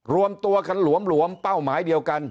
รวมตัวกันหลวมเป้าหมายเดียวกัน